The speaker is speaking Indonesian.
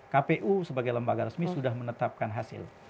kpu sebagai lembaga resmi sudah menetapkan hasil